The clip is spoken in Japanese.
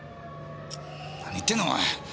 何言ってんだお前。